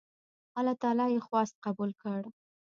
الله تعالی یې خواست قبول کړ.